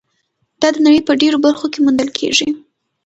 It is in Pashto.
دا د نړۍ په ډېرو برخو کې موندل کېږي.